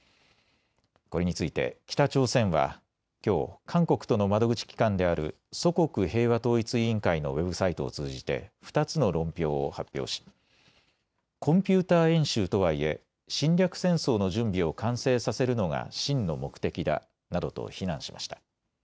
これについて北朝鮮はきょう、韓国との窓口機関である祖国平和統一委員会のウェブサイトを通じて２つの論評を発表し、コンピューター演習とはいえ侵略戦争の準備を完成させるのが真の目的だなどと非難しました。